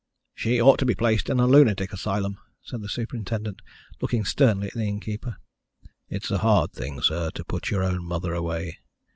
"She ought to be placed in a lunatic asylum," said the superintendent, looking sternly at the innkeeper. "It's a hard thing, sir, to put your own mother away.